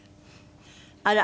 あら！